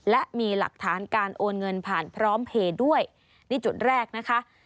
และมีหลักฐานการโอนเงินผ่านพร้อมเพลย์ด้วยนี่จุดแรกนะคะ